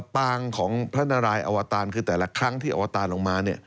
ปางของพระนารายอวตารคือแต่ละครั้งที่อวตารลงมา